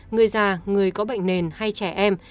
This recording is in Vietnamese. người già người có bệnh nền hay trẻ em